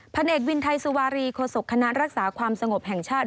เนกวินไทยสุวารีโคศกคณะรักษาความสงบแห่งชาติ